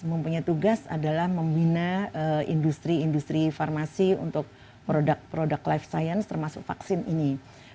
mempunyai tugas adalah membina industri industri farmasi untuk produk produk life science termasuk vaksin ini